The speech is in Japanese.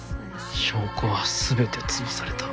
証拠はすべて潰された。